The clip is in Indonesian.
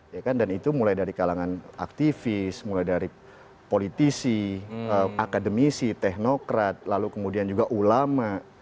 ya kan dan itu mulai dari kalangan aktivis mulai dari politisi akademisi teknokrat lalu kemudian juga ulama